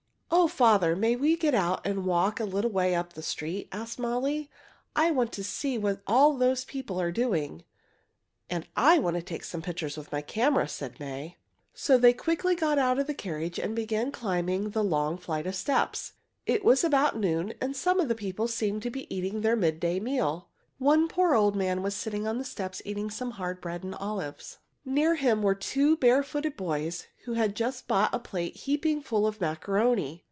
"O father, may we get out and walk a little way up the street?" asked Molly. "I want to see what all those people are doing." "And I want to take some pictures with my camera," said May. [Illustration: They lifted the long, white strips of macaroni high above their heads] So they quickly got out of the carriage and began climbing the long flight of steps. It was about noon, and some of the people seemed to be eating their midday meal. One poor old man was sitting on a step eating some hard bread and olives. Near him were two barefooted boys who had just bought a plate heaping full of macaroni.